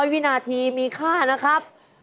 วินาทีมีค่านะครับ